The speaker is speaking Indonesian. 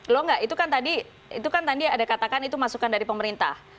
loh enggak itu kan tadi itu kan tadi ada katakan itu masukan dari pemerintah